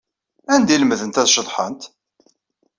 Anda ay lemdent ad ceḍḥent?